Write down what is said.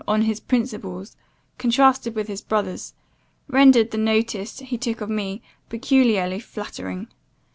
on his principles, contrasted with his brother's, rendered the notice he took of me peculiarly flattering.